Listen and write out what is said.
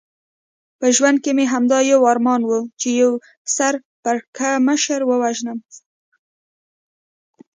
په ژوند کې مې همدا یو ارمان و، چې یو سر پړکمشر ووژنم.